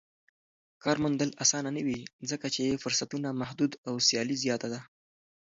کار موندل اسانه نه وي ځکه چې فرصتونه محدود او سیالي زياته ده.